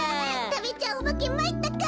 たべちゃうおばけまいったか！